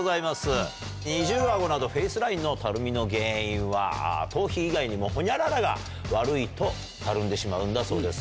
二重アゴなどフェースラインのたるみの原因は頭皮以外にもホニャララが悪いとたるんでしまうんだそうです。